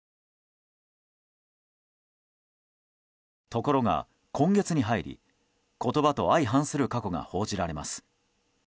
ところが今月に入り、言葉と相反する過去が報じられます。